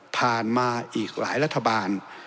ผ่านมาอีกหลายรัฐบาล